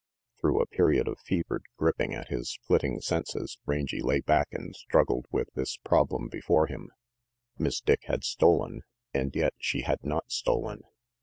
Through a period of fevered gripping at his flitting senses, Rangy lay back and struggled with this problem before him. Miss Dick had stolen, and yet she had not stolen.